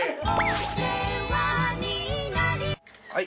はい。